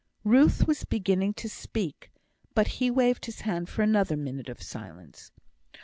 Ruth was beginning to speak, but he waved his hand for another minute of silence.